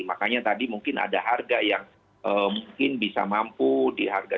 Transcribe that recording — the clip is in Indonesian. makanya tadi mungkin ada harga yang mungkin bisa mampu di harga tiga ratus